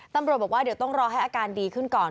ตำรวจบอกว่าเดี๋ยวต้องรอให้อาการดีขึ้นก่อน